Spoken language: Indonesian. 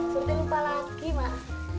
surthi lupa lagi mak